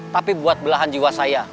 tapi buat belahan jiwa saya